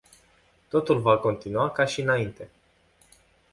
Totul va continua ca și înainte.